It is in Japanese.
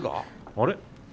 あれ？